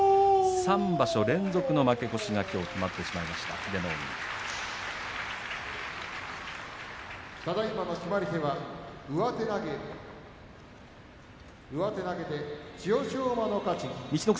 ３場所連続の負け越しがきょう決まってしまいました英乃海。